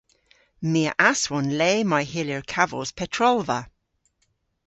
My a aswon le may hyllir kavos petrolva.